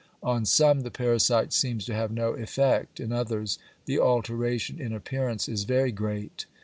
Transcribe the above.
On some the parasite seems to have no effect, in others the alteration in appearance is very great.